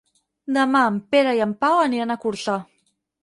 Demà en Pere i en Pau aniran a Corçà.